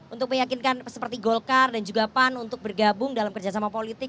untuk meyakinkan seperti golkar dan juga pan untuk bergabung dalam kerjasama politik